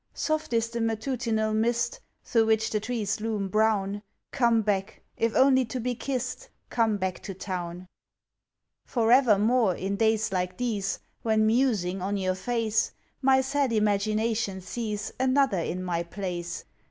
Soft is the matutinal mist Through which the trees loom brown; Come back, if only to be kist, Come back to Town! For evermore, in days like these, When musing on your face, My sad imagination sees Another in my place.